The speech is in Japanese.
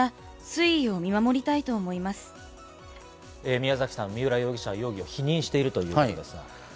宮崎さん、三浦容疑者は容疑を否認しているということですが。